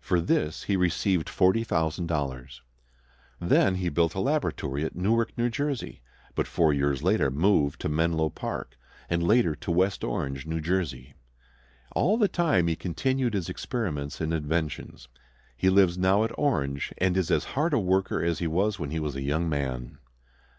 For this he received $40,000. Then he built a laboratory at Newark, New Jersey; but four years later moved to Menlo Park, and later to West Orange, New Jersey. All the time he continued his experiments and inventions. He lives now at Orange, and is as hard a worker as he was when a young man.